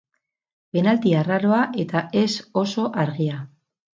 Penalti arraroa eta ez oso argia.